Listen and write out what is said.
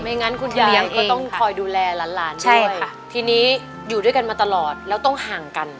ไม่อย่างนั้นคุณยายะก็ต้องคอยดูแลหลานด้วยทีนี้อยู่ด้วยกันตลอดแล้วต้องห่างกัน